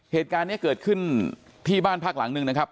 เหตุการณ์นี้เกิดขึ้นที่บ้านพักหลังนึงนะครับ